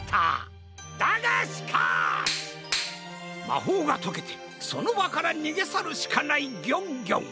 まほうがとけてそのばからにげさるしかないギョンギョン！